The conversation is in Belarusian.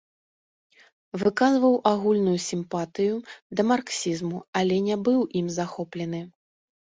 Выказваў агульную сімпатыю да марксізму, але не быў ім захоплены.